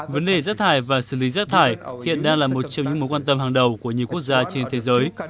vấn đề rác thải và xử lý rác thải hiện đang là một trong những mối quan tâm hàng đầu của nhiều quốc gia trên thế giới